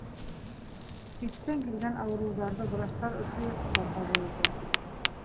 Ситтән килгән ауырыуҙарҙы врачтар ошо йортта ҡабул итә.